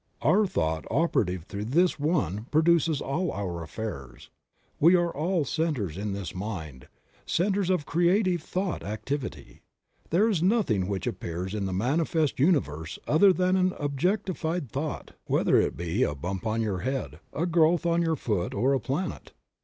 Our thought operative through this One produces all our affairs. We are all centers in this Mind, centers of creative thought activity. There is nothing which appears in the manifest Universe other than an objectified thought, whether it be a bump on your head, a growth on your foot or a planet.